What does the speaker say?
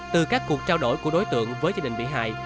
từ các cuộc trao đổi của đối tượng với gia đình bị hại